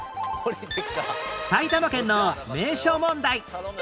埼玉県の名所問題